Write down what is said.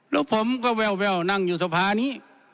แล้วผมก็แววนั่งอยู่สภานี้